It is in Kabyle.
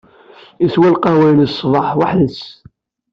Yeswa lqahwa-ines ṣṣbeḥ weḥd-s.